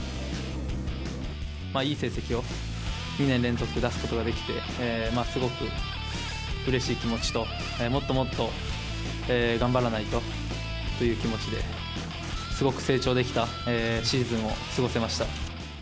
いい成績を２年連続出すことができて、すごくうれしい気持ちと、もっともっと頑張らないとという気持ちで、すごく成長できたシーズンを過ごせました。